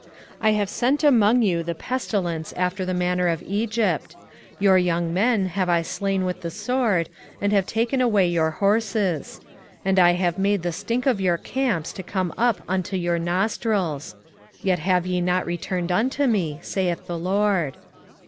4:10 I have sent among you the pestilence after the manner of Egypt: your young men have I slain with the sword, and have taken away your horses; and I have made the stink of your camps to come up unto your nostrils: yet have ye not returned unto me, saith the LORD.